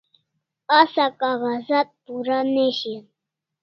Asa kag'azat pura ne shian